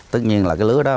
tất nhiên là cái lứa đó